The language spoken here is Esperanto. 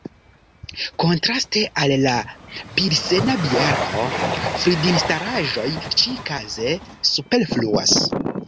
Kontraste al la pilsena biero, fridinstalaĵoj ĉi-kaze superfluas.